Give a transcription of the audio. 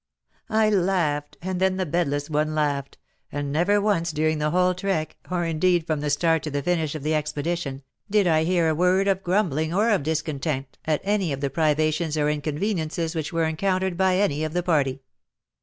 " I laughed, and then the bedless one laughed, and never once during the whole trek, or indeed from the start to the finish of the expedition, did I hear a word of grumbling or of discontent at any of the privations or inconveniences which were encountered by any of the party.